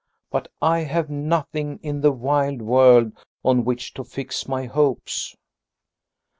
But I have nothing in the wide world on which to fix my hopes."